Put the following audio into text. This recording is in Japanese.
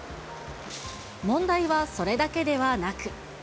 問題はそれだけではなく。